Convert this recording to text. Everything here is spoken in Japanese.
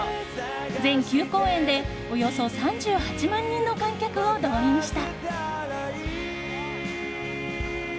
全９公演でおよそ３８万人の観客を動員した。